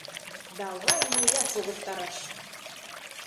Давай мыят погыстараш!